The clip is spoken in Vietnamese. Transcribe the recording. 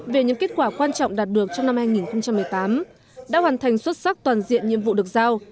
về những kết quả quan trọng đạt được trong năm hai nghìn một mươi tám đã hoàn thành xuất sắc toàn diện nhiệm vụ được giao